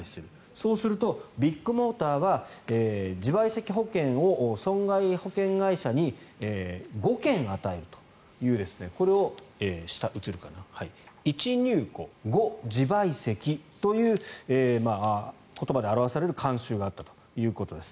そうするとビッグモーターは自賠責保険を損害保険会社に５件与えるというこれを１入庫５自賠責という言葉で表される慣習があったということです。